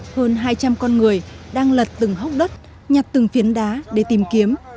hơn hai trăm linh con người đang lật từng hốc đất nhặt từng phiến đá để tìm kiếm